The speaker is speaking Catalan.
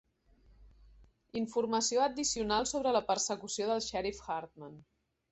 Informació addicional sobre la persecució del Sheriff Hartman.